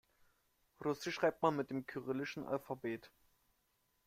Russisch schreibt man mit dem kyrillischen Alphabet.